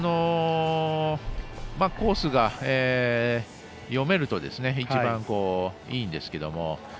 コースが読めると一番、いいんですけど。